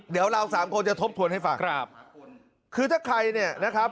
เดี๋ยวเราสามคนจะทบทวนให้ฟังครับคือถ้าใครเนี่ยนะครับ